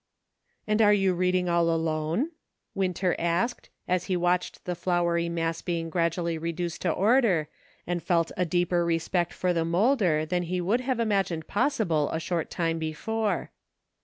" And are you reading all alone ?" Winter asked, as he watched the floury mass being gradually re duced to order, and felt a deeper respect for the molder than he would have imagined possible a short time before.